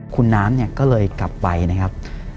คุณน้ำก็เลยกลับไปนะครับ